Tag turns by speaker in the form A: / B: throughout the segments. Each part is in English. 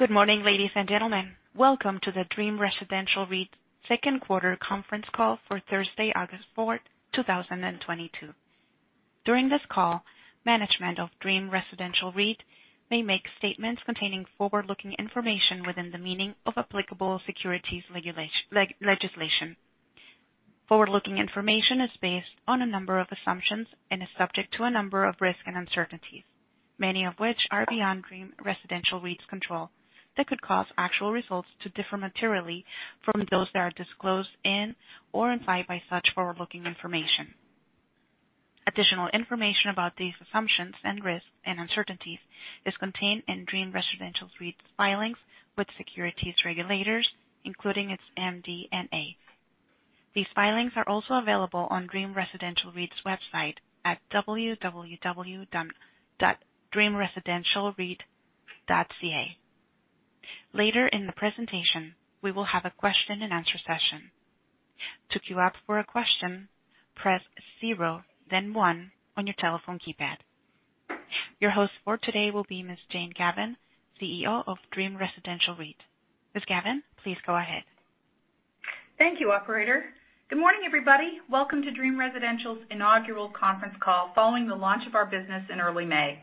A: Good morning, ladies and gentlemen. Welcome to the Dream Residential REIT second quarter conference call for Thursday, August 4th, 2022. During this call, management of Dream Residential REIT may make statements containing forward-looking information within the meaning of applicable securities legislation. Forward-looking information is based on a number of assumptions and is subject to a number of risks and uncertainties, many of which are beyond Dream Residential REIT's control, that could cause actual results to differ materially from those that are disclosed in or implied by such forward-looking information. Additional information about these assumptions and risks and uncertainties is contained in Dream Residential REIT's filings with securities regulators, including its MD&A. These filings are also available on Dream Residential REIT's website at www.dreamresidentialreit.ca. Later in the presentation, we will have a question-and-answer session. To queue up for a question, press zero then one on your telephone keypad. Your host for today will be Ms. Jane Gavan, CEO of Dream Residential REIT. Ms. Gavan, please go ahead.
B: Thank you, operator. Good morning, everybody. Welcome to Dream Residential's inaugural conference call following the launch of our business in early May.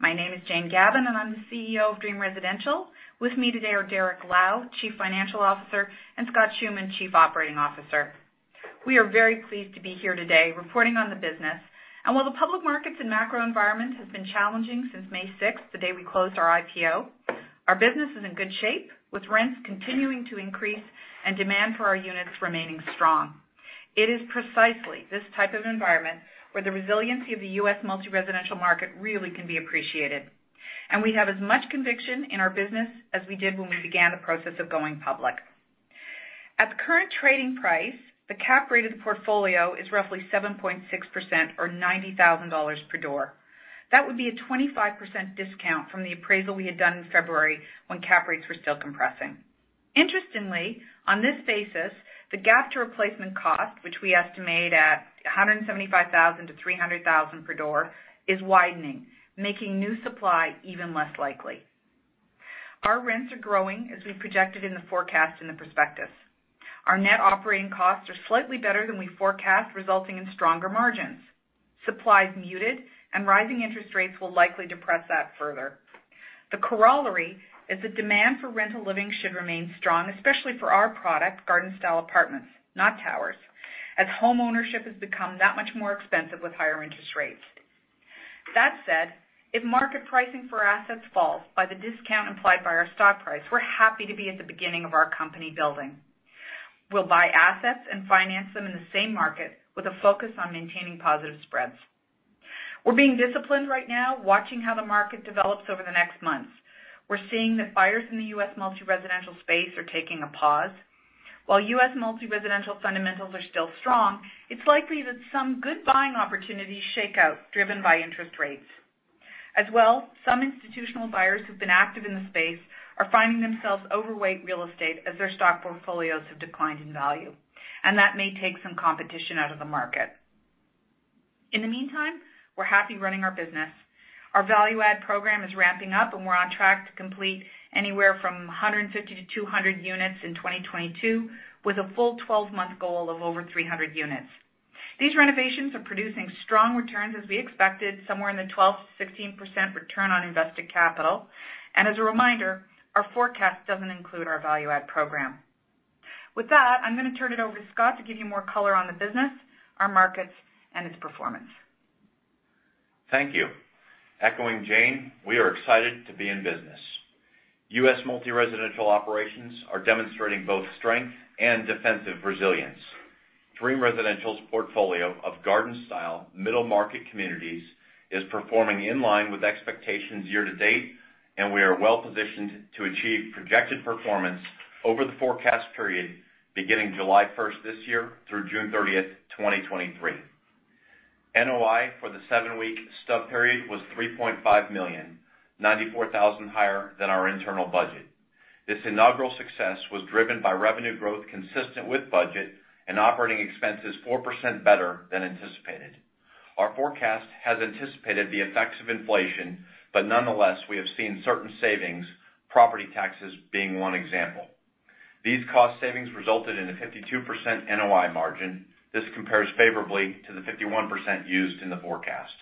B: My name is P. Jane Gavan, and I'm the CEO of Dream Residential. With me today are Derrick Lau, Chief Financial Officer, and Scott Schoeman, Chief Operating Officer. We are very pleased to be here today reporting on the business. While the public markets and macro environment has been challenging since May 6, the day we closed our IPO, our business is in good shape, with rents continuing to increase and demand for our units remaining strong. It is precisely this type of environment where the resiliency of the U.S. multi-residential market really can be appreciated. We have as much conviction in our business as we did when we began the process of going public. At the current trading price, the Cap Rate of the portfolio is roughly 7.6% or $90,000 per door. That would be a 25% discount from the appraisal we had done in February when Cap Rates were still compressing. Interestingly, on this basis, the gap to replacement cost, which we estimate at $175,000-$300,000 per door, is widening, making new supply even less likely. Our rents are growing as we projected in the forecast in the prospectus. Our net operating costs are slightly better than we forecast, resulting in stronger margins. Supply is muted and rising interest rates will likely depress that further. The corollary is the demand for rental living should remain strong, especially for our product, garden-style apartments, not towers, as homeownership has become that much more expensive with higher interest rates. That said, if market pricing for assets falls by the discount implied by our stock price, we're happy to be at the beginning of our company building. We'll buy assets and finance them in the same market with a focus on maintaining positive spreads. We're being disciplined right now, watching how the market develops over the next months. We're seeing that buyers in the US multi-residential space are taking a pause. While US multi-residential fundamentals are still strong, it's likely that some good buying opportunities shake out, driven by interest rates. As well, some institutional buyers who've been active in the space are finding themselves overweight real estate as their stock portfolios have declined in value, and that may take some competition out of the market. In the meantime, we're happy running our business. Our value-add program is ramping up, and we're on track to complete anywhere from 150 to 200 units in 2022, with a full 12-month goal of over 300 units. These renovations are producing strong returns as we expected, somewhere in the 12%-16% return on invested capital. As a reminder, our forecast doesn't include our value-add program. With that, I'm gonna turn it over to Scott to give you more color on the business, our markets, and its performance.
C: Thank you. Echoing Jane, we are excited to be in business. US multi-residential operations are demonstrating both strength and defensive resilience. Dream Residential's portfolio of garden-style middle-market communities is performing in line with expectations year to date, and we are well-positioned to achieve projected performance over the forecast period beginning July 1st this year through June 30th, 2023. NOI for the seven-week stub period was $3.5 million, $94,000 higher than our internal budget. This inaugural success was driven by revenue growth consistent with budget and operating expenses, 4% better than anticipated. Our forecast has anticipated the effects of inflation, but nonetheless, we have seen certain savings, property taxes being one example. These cost savings resulted in a 52% NOI margin. This compares favorably to the 51% used in the forecast.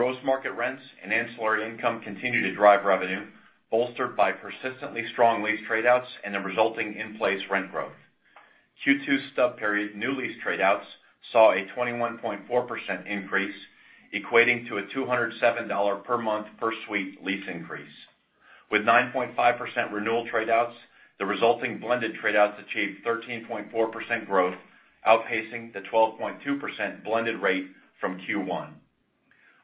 C: Gross market rents and ancillary income continue to drive revenue, bolstered by persistently strong lease trade-outs and the resulting in-place rent growth. Q2 stub period new lease trade-outs saw a 21.4% increase, equating to a $207 per month per suite lease increase. With 9.5% renewal trade-outs, the resulting blended trade-outs achieved 13.4% growth, outpacing the 12.2% blended rate from Q1.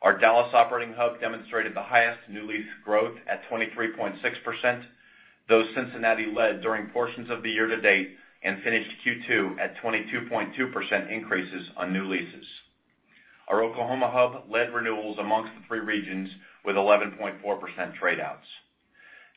C: Our Dallas operating hub demonstrated the highest new lease growth at 23.6%, though Cincinnati led during portions of the year to date and finished Q2 at 22.2% increases on new leases. Our Oklahoma hub led renewals amongst the three regions with 11.4% trade-outs.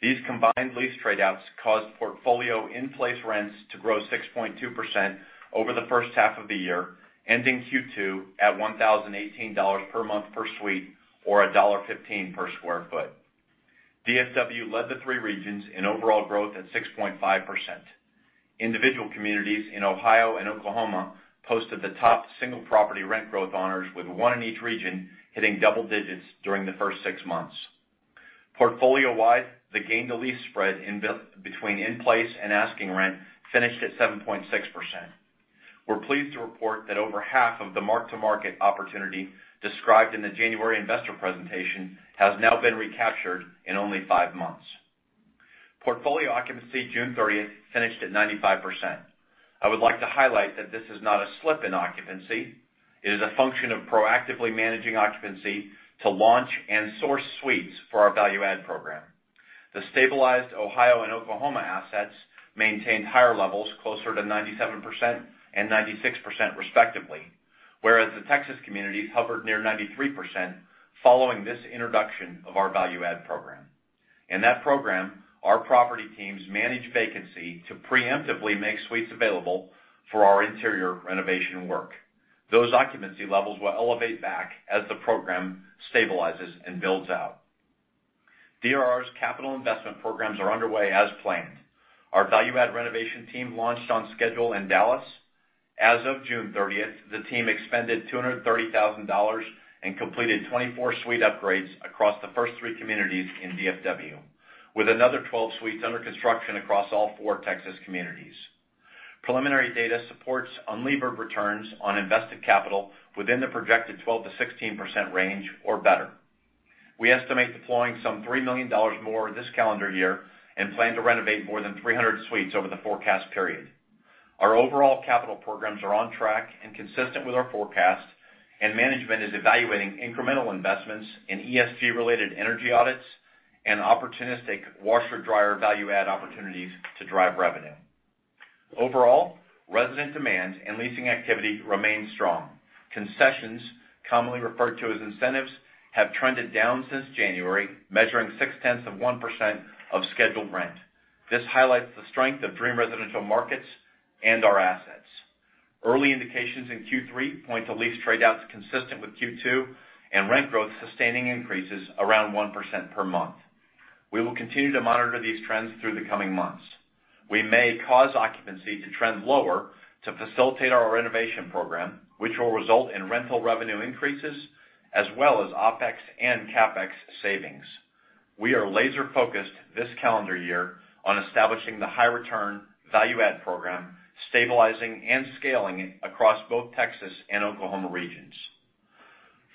C: These combined lease trade-outs caused portfolio in-place rents to grow 6.2% over the first half of the year, ending Q2 at $1,018 per month per suite or $1.15 per sq ft. DFW led the three regions in overall growth at 6.5%. Individual communities in Ohio and Oklahoma posted the top single property rent growth honors, with one in each region hitting double digits during the first six months. Portfolio-wide, the gain to lease spread built between in-place and asking rent finished at 7.6%. We're pleased to report that over half of the mark-to-market opportunity described in the January investor presentation has now been recaptured in only five months. Portfolio occupancy June 30th finished at 95%. I would like to highlight that this is not a slip in occupancy. It is a function of proactively managing occupancy to launch and source suites for our value-add program. The stabilized Ohio and Oklahoma assets maintained higher levels closer to 97% and 96% respectively, whereas the Texas communities hovered near 93% following this introduction of our value-add program. In that program, our property teams manage vacancy to preemptively make suites available for our interior renovation work. Those occupancy levels will elevate back as the program stabilizes and builds out. DRR's capital investment programs are underway as planned. Our value-add renovation team launched on schedule in Dallas. As of June 30th, the team expended $230,000 and completed 24 suite upgrades across the first three communities in DFW, with another 12 suites under construction across all four Texas communities. Preliminary data supports unlevered returns on invested capital within the projected 12%-16% range or better. We estimate deploying some $3 million more this calendar year and plan to renovate more than 300 suites over the forecast period. Our overall capital programs are on track and consistent with our forecast, and management is evaluating incremental investments in ESG-related energy audits and opportunistic washer-dryer value-add opportunities to drive revenue. Overall, resident demand and leasing activity remain strong. Concessions, commonly referred to as incentives, have trended down since January, measuring 0.6% of scheduled rent. This highlights the strength of Dream Residential markets and our assets. Early indications in Q3 point to lease trade-outs consistent with Q2 and rent growth sustaining increases around 1% per month. We will continue to monitor these trends through the coming months. We may cause occupancy to trend lower to facilitate our renovation program, which will result in rental revenue increases as well as OpEx and CapEx savings. We are laser-focused this calendar year on establishing the high return value add program, stabilizing and scaling it across both Texas and Oklahoma regions.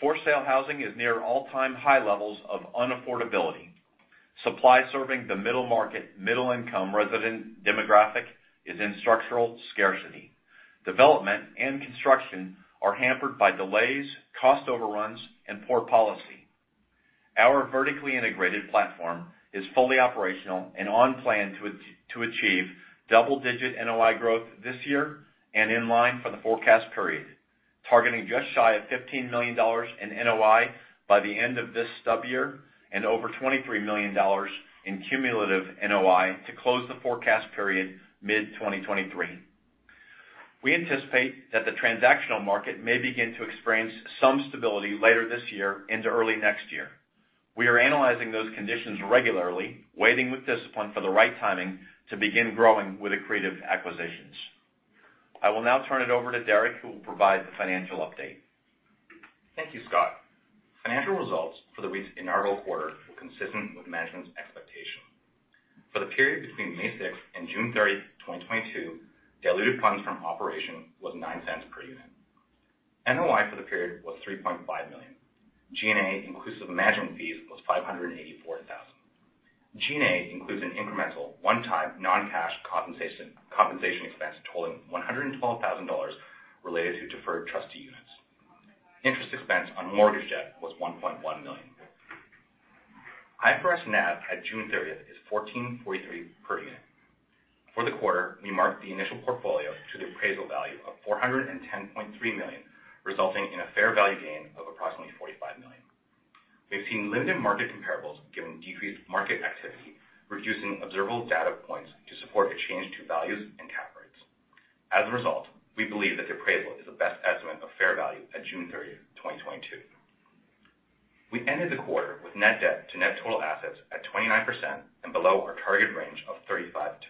C: For-sale housing is near all-time high levels of unaffordability. Supply serving the middle market, middle income resident demographic is in structural scarcity. Development and construction are hampered by delays, cost overruns, and poor policy. Our vertically integrated platform is fully operational and on plan to achieve double-digit NOI growth this year and in line for the forecast period, targeting just shy of $15 million in NOI by the end of this stub year and over $23 million in cumulative NOI to close the forecast period mid-2023. We anticipate that the transactional market may begin to experience some stability later this year into early next year. We are analyzing those conditions regularly, waiting with discipline for the right timing to begin growing with accretive acquisitions. I will now turn it over to Derrick, who will provide the financial update.
D: Thank you, Scott. Financial results for the inaugural quarter were consistent with management's expectation. For the period between May 6 and June 30th, 2022, diluted Funds From Operation was $0.09 per unit. NOI for the period was $3.5 million. G&A inclusive of management fees was $584 thousand. G&A includes an incremental one-time non-cash compensation expense totaling $112 thousand related to deferred trustee units. Interest expense on mortgage debt was $1.1 million. IFRS NAV at June 30th is $14.43 per unit. For the quarter, we marked the initial portfolio to the appraisal value of $410.3 million, resulting in a fair value gain of approximately $45 million. We've seen limited market comparables given decreased market activity, reducing observable data points to support a change to values and cap rates. As a result, we believe that the appraisal is the best estimate of fair value at June 30th, 2022. We ended the quarter with net debt to net total assets at 29% and below our target range of 35%-45%.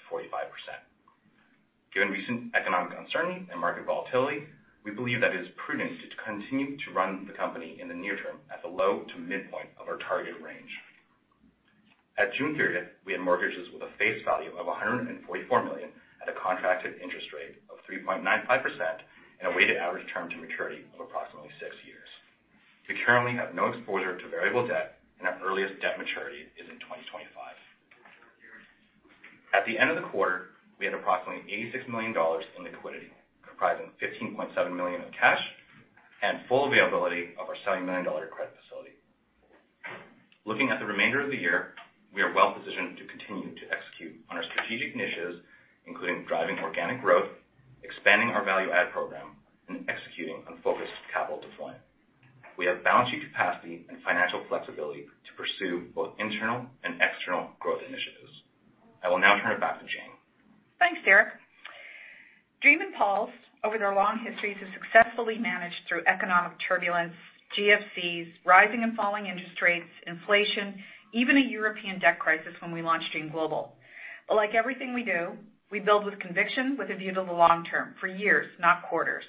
D: Given recent economic uncertainty and market volatility, we believe that it is prudent to continue to run the company in the near term at the low to midpoint of our target range. At June 30th, we had mortgages with a face value of $144 million at a contracted interest rate of 3.95% and a weighted average term to maturity of approximately six years. We currently have no exposure to variable debt, and our earliest debt maturity is in 2025. At the end of the quarter, we had approximately $86 million in liquidity, comprising $15.7 million of cash and full availability of our $70 million credit facility. Looking at the remainder of the year, we are well positioned to continue to execute on our strategic initiatives, including driving organic growth, expanding our value-add program, and executing on focused capital deployment. We have balancing capacity and financial flexibility to pursue both internal and external growth initiatives. I will now turn it back to Jane.
B: Thanks, Derrick. Over their long histories have successfully managed through economic turbulence, GFCs, rising and falling interest rates, inflation, even a European debt crisis when we launched Dream Global. Like everything we do, we build with conviction with a view to the long term, for years, not quarters.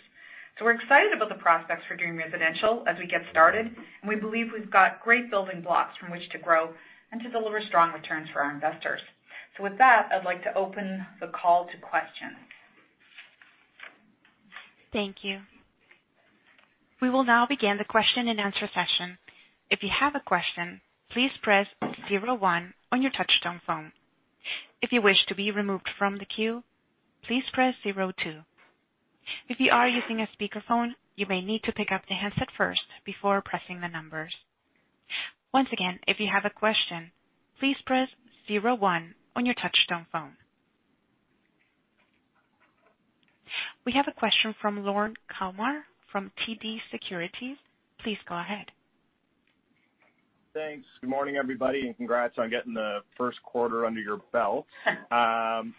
B: We're excited about the prospects for Dream Residential as we get started, and we believe we've got great building blocks from which to grow and to deliver strong returns for our investors. With that, I'd like to open the call to questions.
A: Thank you. We will now begin the question-and-answer session. If you have a question, please press zero one on your touchtone phone. If you wish to be removed from the queue, please press zero two. If you are using a speakerphone, you may need to pick up the handset first before pressing the numbers. Once again, if you have a question, please press zero one on your touchtone phone. We have a question from Lorne Kalmar from TD Securities. Please go ahead.
E: Thanks. Good morning, everybody, and congrats on getting the first quarter under your belt.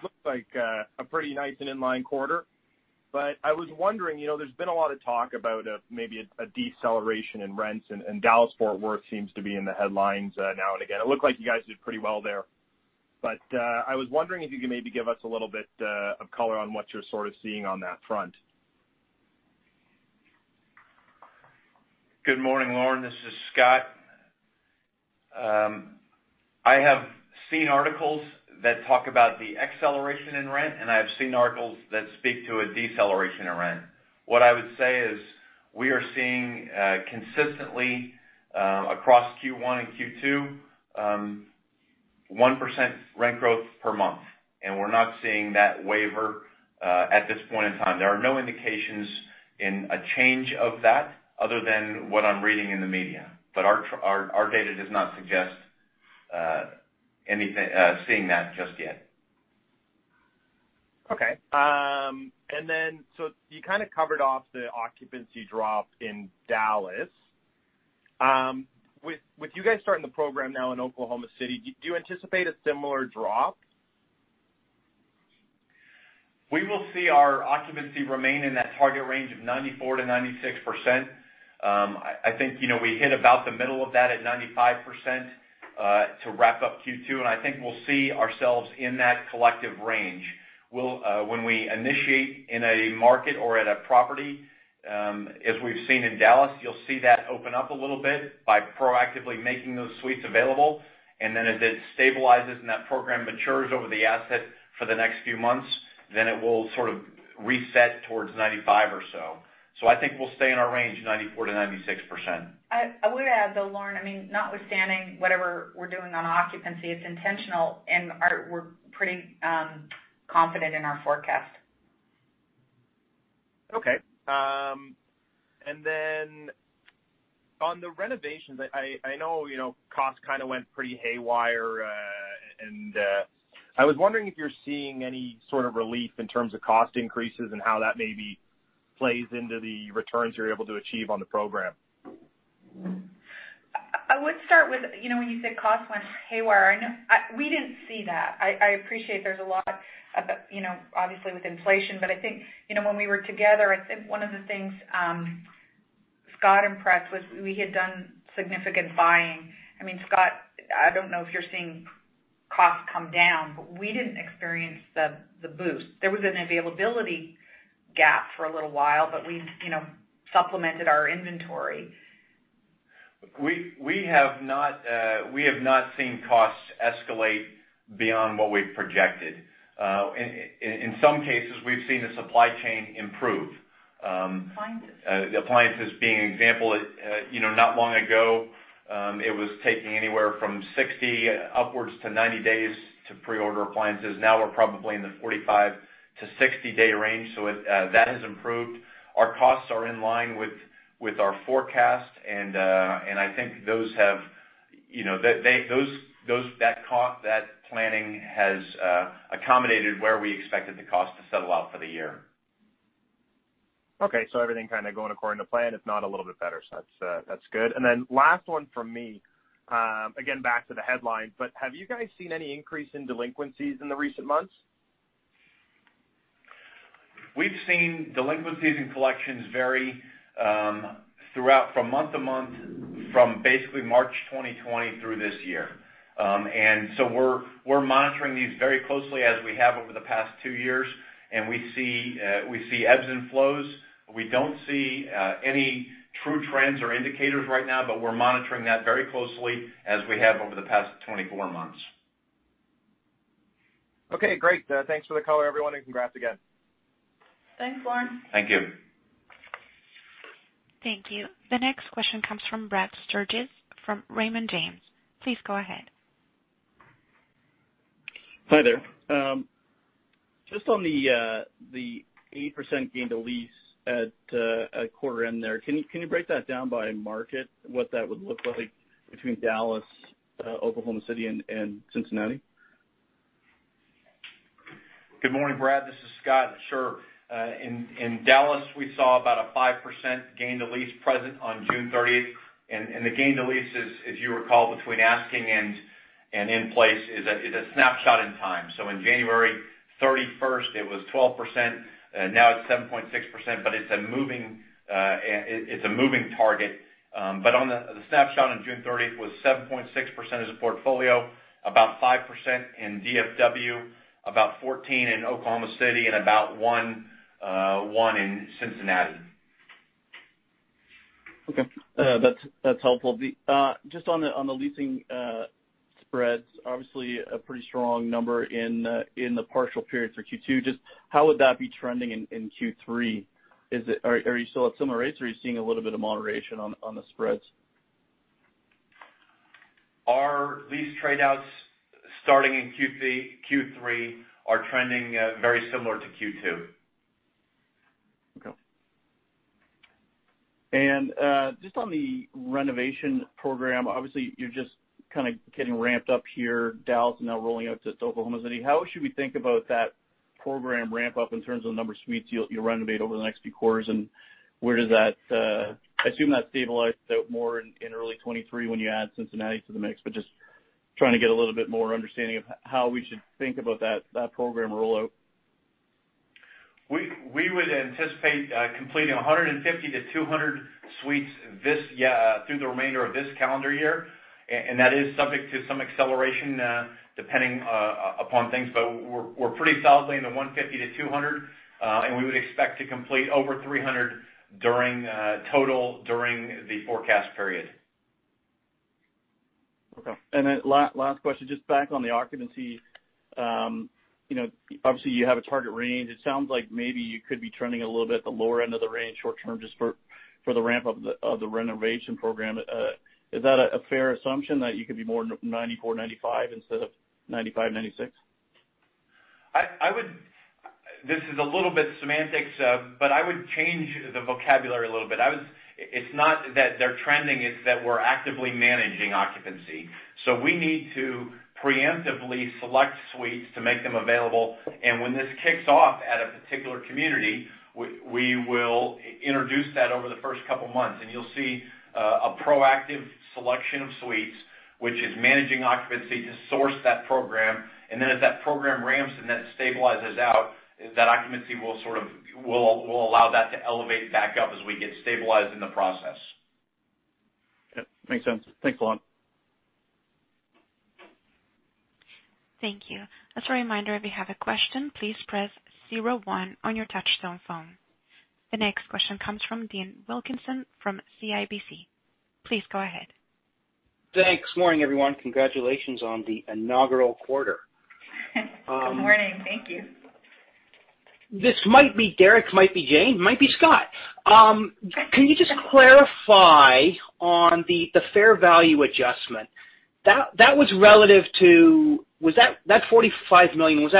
E: Looks like a pretty nice and in line quarter. I was wondering, you know, there's been a lot of talk about maybe a deceleration in rents, and Dallas-Fort Worth seems to be in the headlines now and again. It looked like you guys did pretty well there. I was wondering if you could maybe give us a little bit of color on what you're sort of seeing on that front.
C: Good morning, Lorne. This is Scott. I have seen articles that talk about the acceleration in rent, and I have seen articles that speak to a deceleration in rent. What I would say is we are seeing consistently across Q1 and Q2, 1% rent growth per month, and we're not seeing that waver at this point in time. There are no indications in a change of that other than what I'm reading in the media. Our data does not suggest seeing that just yet.
E: Okay. You kinda covered off the occupancy drop in Dallas. With you guys starting the program now in Oklahoma City, do you anticipate a similar drop?
C: We will see our occupancy remain in that target range of 94%-96%. I think, you know, we hit about the middle of that at 95%, to wrap up Q2, and I think we'll see ourselves in that collective range. We'll, when we initiate in a market or at a property, as we've seen in Dallas, you'll see that open up a little bit by proactively making those suites available. Then as it stabilizes and that program matures over the asset for the next few months, then it will sort of reset towards 95 or so. I think we'll stay in our range, 94%-96%.
B: I would add though, Lorne, I mean, notwithstanding whatever we're doing on occupancy, it's intentional and we're pretty confident in our forecast.
E: Okay. On the renovations, I know, you know, costs kinda went pretty haywire, and I was wondering if you're seeing any sort of relief in terms of cost increases and how that maybe plays into the returns you're able to achieve on the program?
B: I would start with, you know, when you said costs went haywire, I know we didn't see that. I appreciate there's a lot, you know, obviously, with inflation, but I think, you know, when we were together, I think one of the things Scott impressed was we had done significant buying. I mean, Scott, I don't know if you're seeing costs come down, but we didn't experience the boost. There was an availability gap for a little while, but we, you know, supplemented our inventory.
C: We have not seen costs escalate beyond what we've projected. In some cases, we've seen the supply chain improve.
B: Appliances.
C: The appliances being an example. You know, not long ago, it was taking anywhere from 60 upwards to 90 days to pre-order appliances. Now we're probably in the 45-60-day range, so that has improved. Our costs are in line with our forecast, and I think those have, you know, those that cost, that planning has accommodated where we expected the cost to settle out for the year.
E: Okay. Everything kinda going according to plan, if not a little bit better. That's good. Then last one from me, again, back to the headlines, but have you guys seen any increase in delinquencies in the recent months?
C: We've seen delinquencies in collections vary throughout from month to month from basically March 2020 through this year. We're monitoring these very closely as we have over the past two years, and we see ebbs and flows. We don't see any true trends or indicators right now, but we're monitoring that very closely as we have over the past 24 months.
E: Okay, great. Thanks for the color, everyone, and congrats again.
B: Thanks, Lorne.
C: Thank you.
A: Thank you. The next question comes from Brad Sturges from Raymond James. Please go ahead.
F: Hi there. Just on the 80% Gain to Lease at quarter end there, can you break that down by market, what that would look like between Dallas, Oklahoma City and Cincinnati?
C: Good morning, Brad. This is Scott. Sure. In Dallas, we saw about a 5% gain to lease present on June 30th. The gain to lease is, as you recall, between asking and in place, is a snapshot in time. On January 31st, it was 12%. Now it's 7.6%, but it's a moving target. The snapshot on June 30th was 7.6% of the portfolio, about 5% in DFW, about 14% in Oklahoma City, and about 1% in Cincinnati.
F: Okay. That's helpful. Just on the leasing spreads, obviously a pretty strong number in the partial period for Q2. Just how would that be trending in Q3? Are you still at similar rates, or are you seeing a little bit of moderation on the spreads?
C: Our lease trade-outs starting in Q3 are trending very similar to Q2.
F: Okay. Just on the renovation program, obviously you're just kinda getting ramped up here. Dallas is now rolling out to Oklahoma City. How should we think about that program ramp up in terms of the number of suites you'll renovate over the next few quarters? Where does that stabilize out more in early 2023 when you add Cincinnati to the mix, but just trying to get a little bit more understanding of how we should think about that program rollout.
C: We would anticipate completing 150-200 suites through the remainder of this calendar year. That is subject to some acceleration, depending upon things. We're pretty solidly in the 150-200, and we would expect to complete over 300 total during the forecast period.
F: Okay. Last question, just back on the occupancy. You know, obviously you have a target range. It sounds like maybe you could be trending a little bit at the lower end of the range short term just for the ramp up of the renovation program. Is that a fair assumption, that you could be more 94%-95% instead of 95%-96%?
C: This is a little bit semantics, but I would change the vocabulary a little bit. It's not that they're trending. It's that we're actively managing occupancy. We need to preemptively select suites to make them available. When this kicks off at a particular community, we will introduce that over the first couple of months. You'll see a proactive selection of suites, which is managing occupancy to source that program. As that program ramps and then stabilizes out, that occupancy will sort of, we'll allow that to elevate back up as we get stabilized in the process.
F: Yep, makes sense. Thanks a lot.
A: Thank you. As a reminder, if you have a question, please press zero one on your touchtone phone. The next question comes from Dean Wilkinson from CIBC. Please go ahead.
G: Thanks. Morning, everyone. Congratulations on the inaugural quarter.
B: Good morning. Thank you.
G: This might be Derrick, might be Jane, might be Scott. Can you just clarify on the fair value adjustment? That $45 million was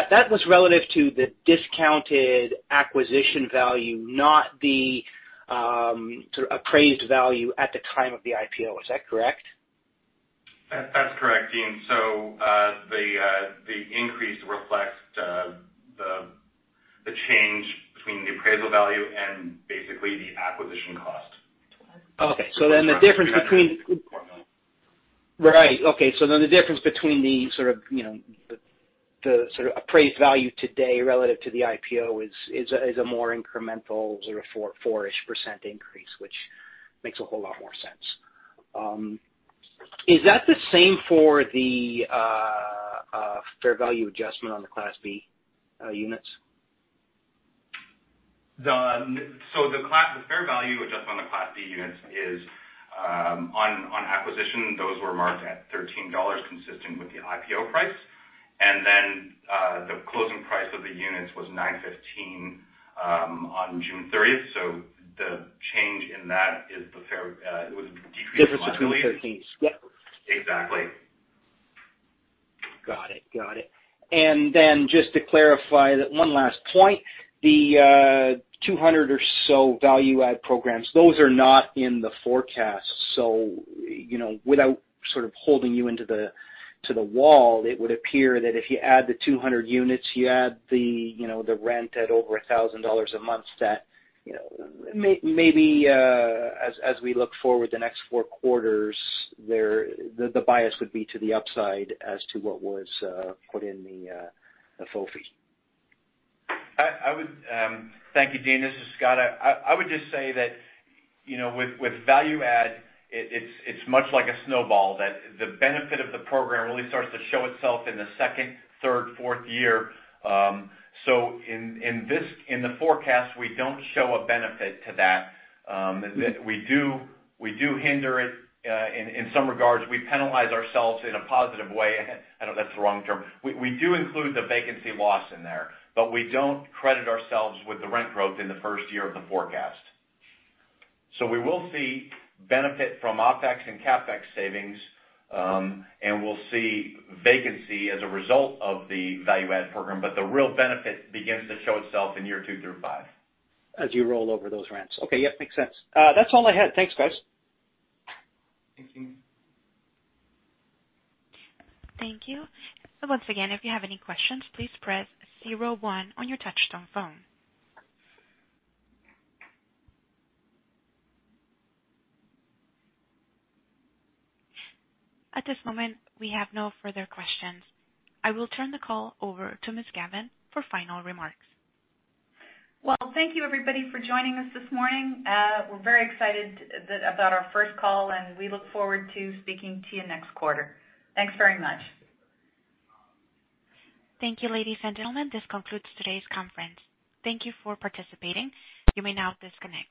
G: relative to the discounted acquisition value, not the sort of appraised value at the time of the IPO. Is that correct?
D: That's correct, Dean. The increase reflects the change between the appraisal value and basically the acquisition cost.
B: To us.
G: Okay. The difference between
D: $40 million.
G: The difference between the sort of, you know, the appraised value today relative to the IPO is a more incremental sort of 4%-ish increase, which makes a whole lot more sense. Is that the same for the fair value adjustment on the Class B units?
D: The fair value adjustment on the Class B units is on acquisition those were marked at $13, consistent with the IPO price. Then the closing price of the units was $9.15 on June 30th The change in that is the fair. It was decreased materially.
G: Difference is $2.13. Yep.
D: Exactly.
G: Got it. Just to clarify one last point, the 200 or so value-add programs, those are not in the forecast. You know, without sort of holding you to the wall, it would appear that if you add the 200 units, you add the, you know, the rent at over $1,000 a month, that, you know, maybe as we look forward the next four quarters there, the bias would be to the upside as to what was put in the FOFE.
C: Thank you, Dean. This is Scott. I would just say that, you know, with value-add, it's much like a snowball, that the benefit of the program really starts to show itself in the second, third, fourth year. In the forecast, we don't show a benefit to that. We do hinder it. In some regards, we penalize ourselves in a positive way. That's the wrong term. We do include the vacancy loss in there, but we don't credit ourselves with the rent growth in the first year of the forecast. We will see benefit from OpEx and CapEx savings, and we'll see vacancy as a result of the value-add program, but the real benefit begins to show itself in year two through five.
G: As you roll over those rents. Okay. Yeah, makes sense. That's all I had. Thanks, guys.
C: Thanks, Dean.
A: Thank you. Once again, if you have any questions, please press zero one on your touchtone phone. At this moment, we have no further questions. I will turn the call over to Ms. Gavan for final remarks.
B: Well, thank you, everybody, for joining us this morning. We're very excited about our first call, and we look forward to speaking to you next quarter. Thanks very much.
A: Thank you, ladies and gentlemen. This concludes today's conference. Thank you for participating. You may now disconnect.